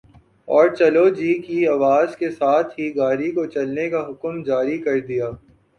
اور چلو جی کی آواز کے ساتھ ہی گاڑی کو چلنے کا حکم جاری کر دیا